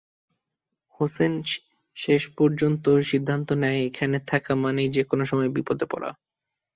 হোসেন শেষ পর্যন্ত সিদ্ধান্ত নেয়, এখানে থাকা মানেই যেকোনো সময় বিপদে পড়া।